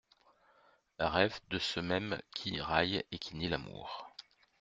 Rêve de ceux mêmes qui raillent et qui nient l’amour.